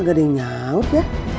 gak ada yang nyaut ya